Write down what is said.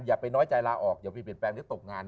อย่าไปน้อยใจลาออกอย่าเปลี่ยนแฟนที่ตกงาน